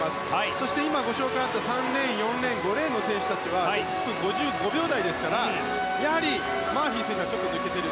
そして今ご紹介あった３レーン、４レーン５レーンの選手は１分５５秒台ですからやはりマーフィー選手がちょっと抜けている。